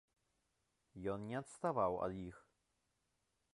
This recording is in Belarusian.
Ён не адставаў ад іх.